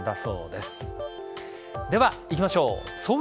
では、いきましょう。